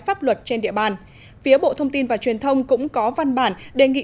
pháp luật trên địa bàn phía bộ thông tin và truyền thông cũng có văn bản đề nghị